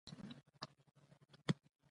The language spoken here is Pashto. سیاسي واک باید عادلانه ووېشل شي